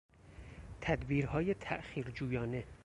تدبیرهای تاخیر جویانه